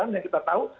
yang kita tahu